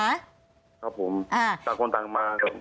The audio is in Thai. ครับผมต่างคนต่างมาครับ